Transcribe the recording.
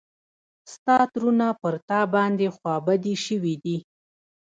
ستا ترونه پر تا باندې خوا بدي شوي دي.